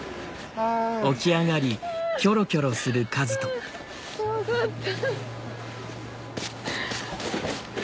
あ怖かった。